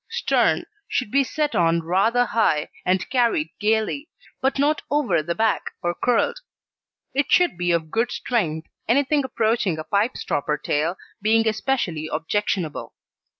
STERN Should be set on rather high, and carried gaily, but not over the back or curled. It should be of good strength, anything approaching a "pipe stopper" tail being especially objectionable.